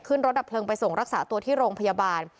รถดับเพลิงไปส่งรักษาตัวที่โรงพยาบาล